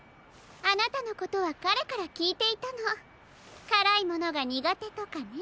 あなたのことはかれからきいていたのからいものがにがてとかね。